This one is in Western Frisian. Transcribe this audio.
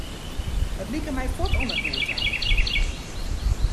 It like my fuort al net goed ta.